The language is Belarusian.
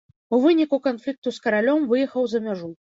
У выніку канфлікту з каралём выехаў за мяжу.